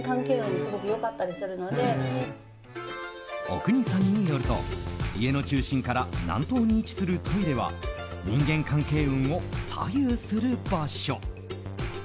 阿国さんによると家の中心から南東に位置するトイレは人間関係運を左右する場所。